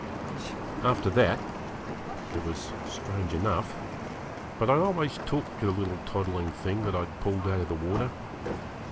After that it was strange enough but I always took to the little toddling thing that I'd pulled out of the water.